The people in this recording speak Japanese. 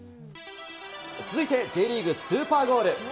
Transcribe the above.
続いてＪリーグ、スーパーゴール。